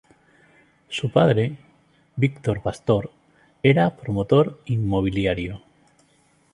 Su padre, Víctor Pastor, era promotor inmobiliario.